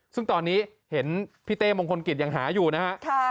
ซึ่งตอนนี้เห็นพี่เต้มงคลกิจยังหาอยู่นะฮะ